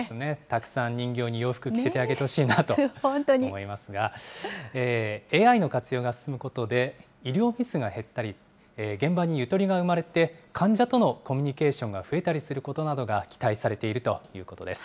たくさん人形に洋服着せてあげてほしいなと思いますが、ＡＩの活用が進むことで、医療ミスが減ったり、現場にゆとりが生まれて、患者とのコミュニケーションが増えたりすることなどが期待されているということです。